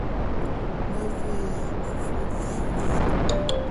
Me veya Afrikara.